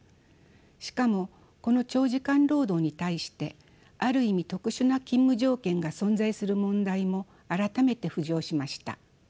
しかもこの長時間労働に対してある意味特殊な勤務条件が存在する問題も改めて浮上しました。